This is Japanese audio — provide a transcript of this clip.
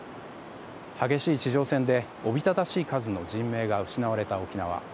激しい地上戦でおびただしい数の人命が失われた沖縄。